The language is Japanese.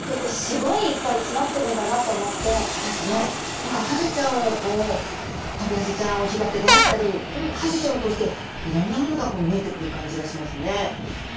何かハゼちゃんをこうトビハゼちゃんを干潟であったりハゼちゃんを通していろんなものがこう見えてくる感じがしますね。